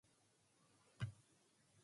It also contains a drum loop.